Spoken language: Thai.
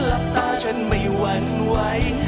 หลับตาฉันไม่หวั่นไหว